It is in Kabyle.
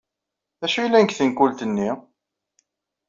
D acu yellan deg tenkult-nni?